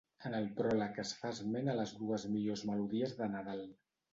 En el pròleg es fa esment a les dues millors melodies de Nadal.